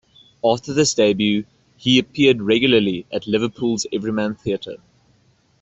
After this debut he appeared regularly at Liverpool's Everyman Theatre.